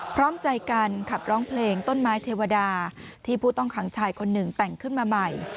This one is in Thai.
พร้อมใจกันขับร้องเพลงต้นไม้เทวดาที่ผู้ต้องขังชายคนหนึ่งแต่งขึ้นมาใหม่